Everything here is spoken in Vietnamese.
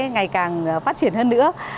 ngày càng phát triển hơn nữa